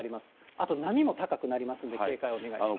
あと波も高くなりますので、警戒お願いします。